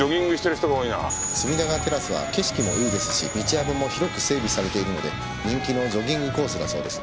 隅田川テラスは景色もいいですし道幅も広く整備されているので人気のジョギングコースだそうです。